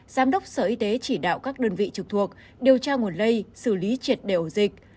giám đốc sở y tế chỉ đạo các đơn vị trực thuộc điều tra nguồn lây xử lý triệt đề ổ dịch